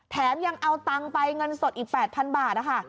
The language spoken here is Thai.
แถมยังเอาตังค์ไปเงินสดอีก๘๐๐๐บาทนะคะ